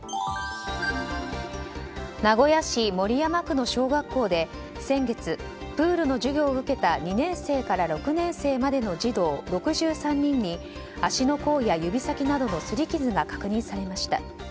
名古屋市守山区の小学校で先月、プールの授業を受けた２年生から６年生までの児童６３人に足の甲や指先などのすり傷が確認されました。